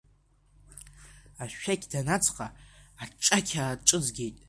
Ашәақь данаҵха, аҿақ ааҿыҵгеит.